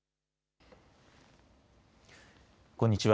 こんにちは。